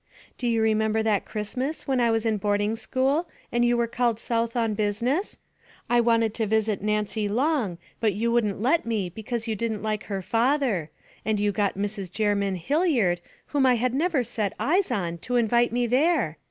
Do you remember that Christmas when I was in boarding school and you were called South on business? I wanted to visit Nancy Long, but you wouldn't let me because you didn't like her father; and you got Mrs. Jerymn Hilliard whom I had never set eyes on to invite me there?